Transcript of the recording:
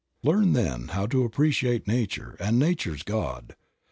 Learn then how to appreciate Nature and Nature's God.